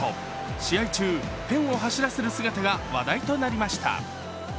試合中、ペンを走らせる姿が話題となりました。